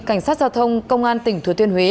cảnh sát giao thông công an tỉnh thừa thiên huế